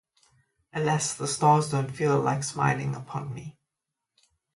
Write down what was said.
Alas, the stars don’t feel like smiling upon me.